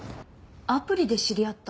アプリで知り合った？